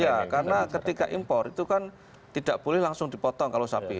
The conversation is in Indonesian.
iya karena ketika impor itu kan tidak boleh langsung dipotong kalau sapi